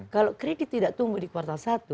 kalau kredit tidak tumbuh di kuartal satu